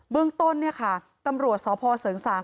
เบื้องต้นตำรวจสศเสริงสาง